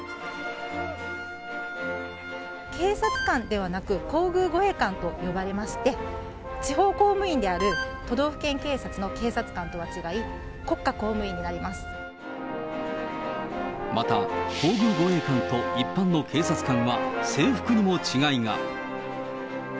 警察官ではなく、皇宮護衛官と呼ばれまして、地方公務員である都道府県警察の警察官とは違い、国家公務員になまた、皇宮護衛官と一般の警察官は制服にも違いが。